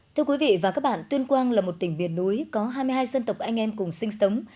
thưa quý vị và các bạn tuyên quang là một tỉnh biển núi có hai mươi hai dân tộc anh em cùng sinh sống